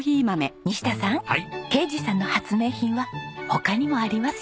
啓二さんの発明品は他にもありますよ。